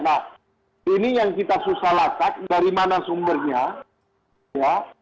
nah ini yang kita susah lacak dari mana sumbernya ya